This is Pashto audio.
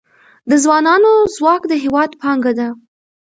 د ځوانانو ځواک د هیواد پانګه ده